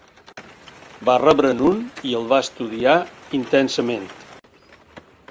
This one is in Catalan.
Va rebre'n un i el va estudiar intensament.